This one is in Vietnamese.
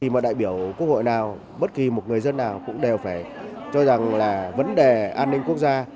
mà đại biểu quốc hội nào bất kỳ một người dân nào cũng đều phải cho rằng là vấn đề an ninh quốc gia